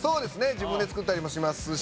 自分で作ったりもしますし。